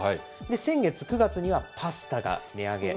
先月９月には、パスタが値上げ。